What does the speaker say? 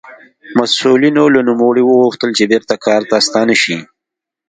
مسوولینو له نوموړي وغوښتل چې بېرته کار ته ستانه شي.